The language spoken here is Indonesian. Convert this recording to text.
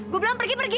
gue bilang pergi pergi